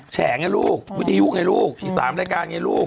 แฉไงลูกวิทยุไงลูกอีก๓รายการไงลูก